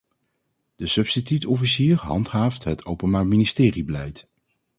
De substituut-officier handhaaft het Openbaar Ministerie-beleid.